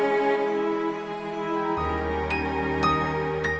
ya pak pak pakinya hilang betul